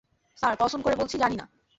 Sir, কসম করে বলছি জানি না।